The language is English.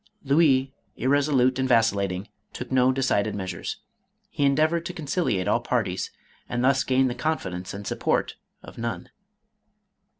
Louis, irreso lute and vacillating, took no decided measures. He endeavored to conciliate all parties, and thus gained the confidence and support of none.